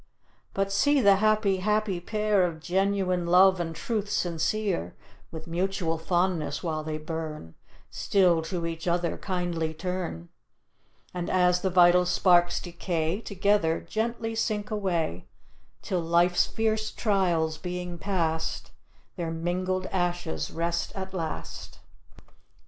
But see the happy, happy pair, Of genuine love and truth sincere; With mutual fondness while they burn, Still to each other kindly turn; And as the vital sparks decay, Together gently sink away; Till life's fierce trials being past, Their mingled ashes rest at last."